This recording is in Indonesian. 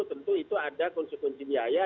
tentu itu ada konsekuensi biaya